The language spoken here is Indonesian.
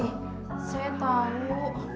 ihh saya tau